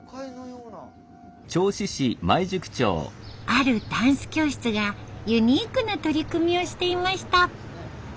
あるダンス教室がユニークな取り組みをしていました。